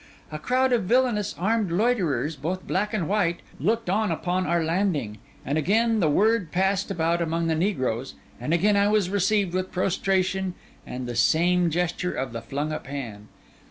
A crowd of villainous, armed loiterers, both black and white, looked on upon our landing; and again the word passed about among the negroes, and again I was received with prostrations and the same gesture of the flung up hand.